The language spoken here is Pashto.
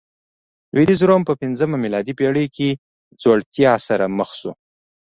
لوېدیځ روم په پنځمه میلادي پېړۍ کې ځوړتیا سره مخ شو